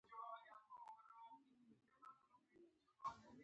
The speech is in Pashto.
د تا کار څه ده